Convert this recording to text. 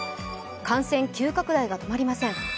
感染急拡大が止まりません。